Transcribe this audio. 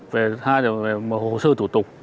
về hai là về hồ sơ thủ tục